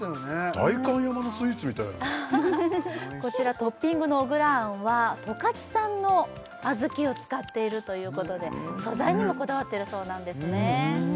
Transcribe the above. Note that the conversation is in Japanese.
代官山のスイーツみたいなこちらトッピングの小倉あんは十勝産の小豆を使っているということで素材にもこだわっているそうなんですね